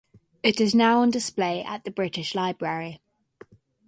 It is now on display at the British Library.